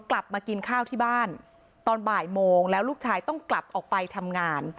กลับมากินข้าวที่บ้านตอนบ่ายโมงแล้วลูกชายต้องกลับออกไปทำงาน